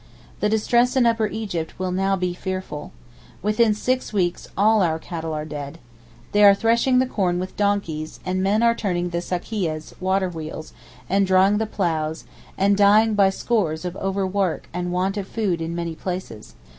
The distress in Upper Egypt will now be fearful. Within six weeks all our cattle are dead. They are threshing the corn with donkeys, and men are turning the sakiahs (water wheels) and drawing the ploughs, and dying by scores of overwork and want of food in many places.